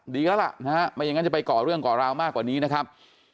ดีแล้วล่ะนะฮะไม่อย่างนั้นจะไปก่อเรื่องก่อราวมากกว่านี้นะครับ